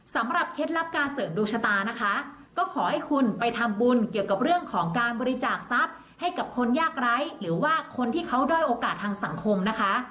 เคล็ดลับการเสริมดวงชะตานะคะก็ขอให้คุณไปทำบุญเกี่ยวกับเรื่องของการบริจาคทรัพย์ให้กับคนยากไร้หรือว่าคนที่เขาด้อยโอกาสทางสังคมนะคะ